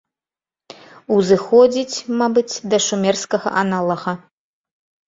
Узыходзіць, мабыць, да шумерскага аналага.